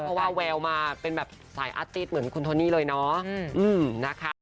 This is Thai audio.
เพราะว่าแววมาเป็นแบบสายอาร์ติ๊ดเหมือนคุณโทนี่เลยเนาะนะคะ